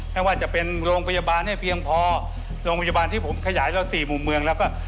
ไม่ว่าจะเป็นโรงพยาบาลให้เพียงพอโรงพยาบาลที่ผมขยายเราสี่มุมเมืองแล้วก็